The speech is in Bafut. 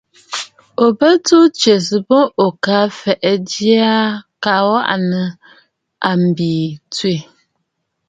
Ò bə tuu tsɛ̀sə̀ boŋ ò ka fèe njɨ̀ʼɨ̀ jya kaa waʼà nɨ̂ àbìì tswə̂.